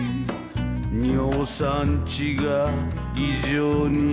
「尿酸値が異常に高い」